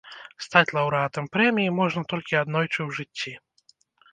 Стаць лаўрэатам прэміі можна толькі аднойчы ў жыцці.